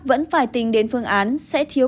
vẫn phải tính đến phương án sẽ thiếu